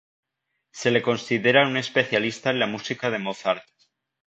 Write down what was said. Se le considera un especialista en la música de Mozart.